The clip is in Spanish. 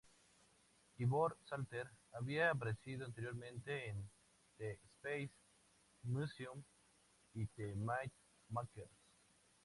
Ivor Salter había aparecido anteriormente en "The Space Museum" y "The Myth Makers".